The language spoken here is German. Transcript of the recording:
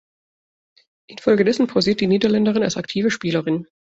Infolgedessen pausiert die Niederländerin als aktive Spielerin.